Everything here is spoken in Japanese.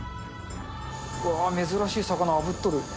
うわぁ、珍しい魚あぶっとる。